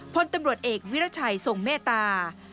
พลตำรวจเอกวิรัชัยทรงเมตตา